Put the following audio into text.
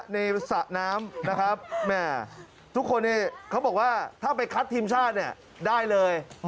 สระน้ำนะครับแม่ทุกคนเขาบอกว่าถ้าไปคัดทีมชาติเนี่ยได้เลย